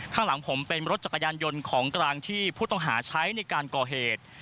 ข้างหลังผมเป็นรถจักรยานยนต์ของกลางที่ผู้ต้องหาใช้ในการก่อเหตุ